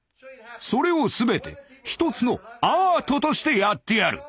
それを全て一つの「アート」としてやってやる。